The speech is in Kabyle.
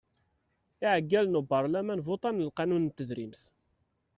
Iɛeggalen n ubarlaman votan lqanun n tedrimt.